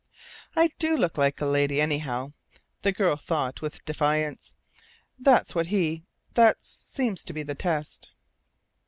"I do look like a lady, anyhow," the girl thought with defiance. "That's what he that seems to be the test."